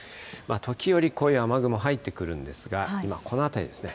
時折こういう雨雲、入ってくるんですが、今、この辺りですね。